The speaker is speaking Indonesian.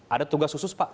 ada tugas khusus pak